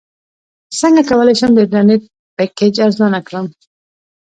څنګه کولی شم د انټرنیټ پیکج ارزانه کړم